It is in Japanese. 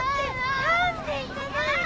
何で行かないの！